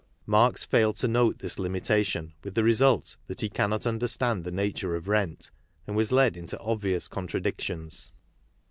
Marx failed to note this limitation, with the result that he cannot under KARL MARX 29 stand the nature of rent and was led into obvious con tradictions."